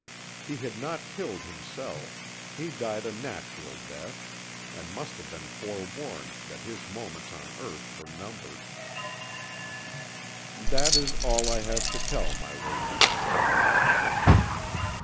"He had not killed himself; he died a natural death, and must have been forewarned that his moments on earth were numbered. "That is all I have to tell, my lady."